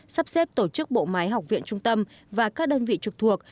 sắp xếp tổ chức bộ máy học viện trung tâm và các đơn vị trực thuộc